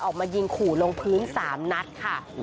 ออกมายิงขู่ลงพื้น๓นัดค่ะ